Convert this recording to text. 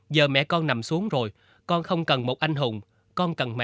giờ mẹ con nằm xuống rồi con không cần một anh hùng con cần mẹ